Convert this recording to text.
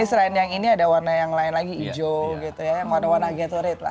tapi selain yang ini ada warna yang lain lagi hijau gitu ya yang warna warna gatorite lah